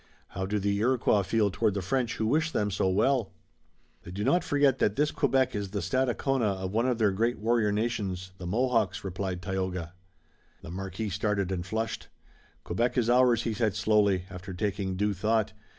How do the Iroquois feel toward the French who wish them so well?" "They do not forget that this Quebec is the Stadacona of one of their great warrior nations, the Mohawks," replied Tayoga. The Marquis started and flushed. "Quebec is ours," he said slowly, after taking due thought.